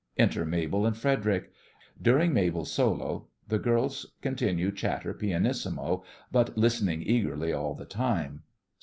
Enter MABEL and FREDERIC .During MABEL's solo the GIRLS continue chatter pianissimo, but listening eagerly all the time.